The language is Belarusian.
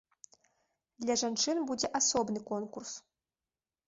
Для жанчын будзе асобны конкурс.